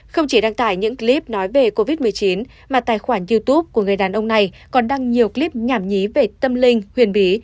không chỉ đăng tải những clip nói về covid một mươi chín mà tài khoản youtube của người đàn ông này còn đăng nhiều clip nhảm nhí về tâm linh huyền bí